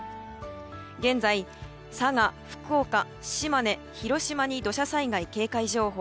現在、佐賀、福岡島根、広島に土砂災害警戒情報。